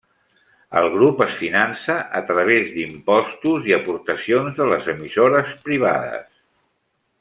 El grup es finança a través d'impostos i aportacions de les emissores privades.